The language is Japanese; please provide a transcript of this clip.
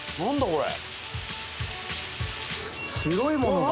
これ。